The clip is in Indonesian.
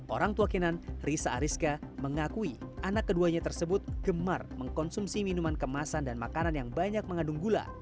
orang tua kenan risa ariska mengakui anak keduanya tersebut gemar mengkonsumsi minuman kemasan dan makanan yang banyak mengandung gula